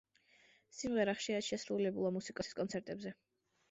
სიმღერა ხშირად შესრულებულა მუსიკოსის კონცერტებზე.